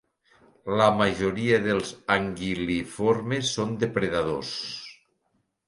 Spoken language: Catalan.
La majoria dels anguil·liformes són depredadors.